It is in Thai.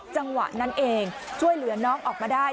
จังหวะนั้นเองช่วยเหลือน้องออกมาได้